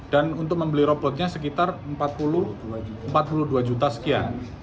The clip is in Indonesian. dan untuk membeli robotnya sekitar empat puluh dua juta sekian